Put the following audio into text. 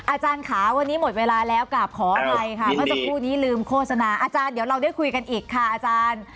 อาจารย์ค่ะวันนี้หมดเวลาแล้วกลับขออภัยค่ะเมื่อสักครู่นี้ลืมโฆษณาอาจารย์เดี๋ยวเราได้คุยกันอีกค่ะอาจารย์